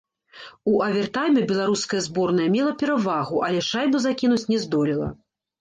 У авертайме беларуская зборная мела перавагу, але шайбу закінуць не здолела.